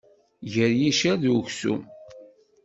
Gar yiccer d uksum.